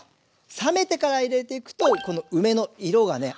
冷めてから入れていくとこの梅の色がね